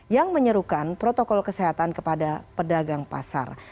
yang menyerukan protokol kesehatan kepada pedagang pasar